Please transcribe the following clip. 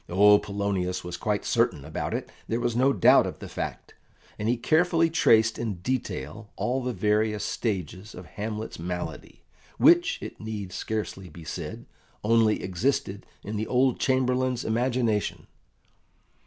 Oh, Polonius was quite certain about it, there was no doubt of the fact; and he carefully traced in detail all the various stages of Hamlet's malady, which, it need scarcely be said, only existed in the old Chamberlain's imagination.